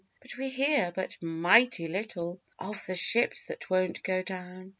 But we hear but mighty little Of the ships that won't go down.